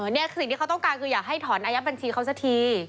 นี่คือสิ่งที่เขาต้องการคืออยากให้ถอนอายัดบัญชีเขาสักที